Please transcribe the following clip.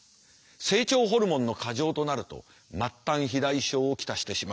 成長ホルモンの過剰となると末端肥大症を来してしまう。